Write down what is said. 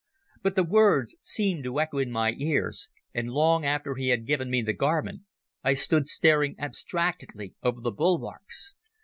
But the words seemed to echo in my ears, and long after he had given me the garment I stood staring abstractedly over the bulwarks.